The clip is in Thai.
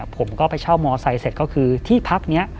ผมก็ไปเช่ามอไซค์เสร็จก็คือที่พักนี้